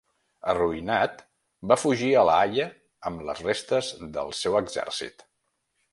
Arruïnat, va fugir a La Haia amb les restes del seu exèrcit.